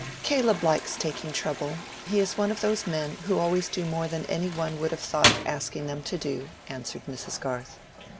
"Caleb likes taking trouble: he is one of those men who always do more than any one would have thought of asking them to do," answered Mrs. Garth.